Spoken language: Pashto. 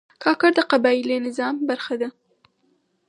کاکړ د قبایلي نظام برخه ده.